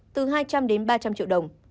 từ hai trăm linh đến ba trăm linh triệu đồng